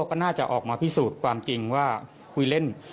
ก็น่าจะออกมาพิสูจน์ความจริงว่าคุยเล่น